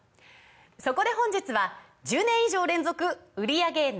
そこで本日は１０年以上連続売り上げＮｏ．１